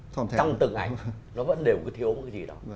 trong từng ảnh nó vẫn đều có thiếu một cái gì đó